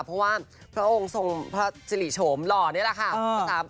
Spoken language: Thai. เพราะว่าพระองค์ทรงพระสิริโฉมหล่อนี่แหละค่ะ